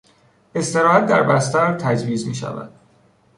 استراحت در بستر تجویز میشود.